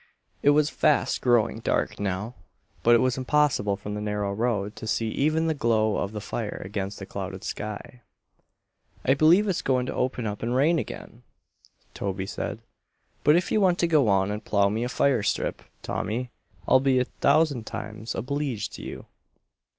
It was fast growing dark now, but it was impossible from the narrow road to see even the glow of the fire against the clouded sky. "I believe it's goin' to open up and rain ag'in," Toby said. "But if you want to go on and plow me a fire strip, Tommy, I'll be a thousand times obleeged to you."